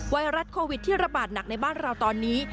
ไวรัสโควิดที่ระบาดหนักในบ้านเราตอนนี้